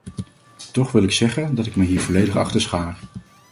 Toch wil ik zeggen dat ik me hier volledig achter schaar.